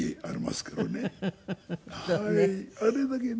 あれだけね。